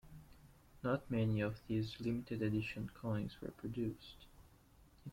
Not many of these limited edition coins were produced.